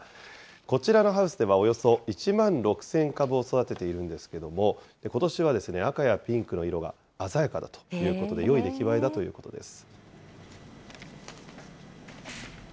こちらのハウスではおよそ１万６０００株を育てているんですけれども、ことしは赤やピンクの色が鮮やかだということで、よい出来栄えだということです。